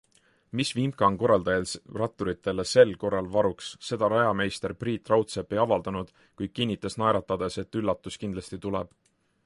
Mis vimka on korraldajail rattureile sel korral varuks, seda rajameister Priit Raudsepp ei avaldanud, kuid kinnitas naeratades, et üllatus kindlasti tuleb.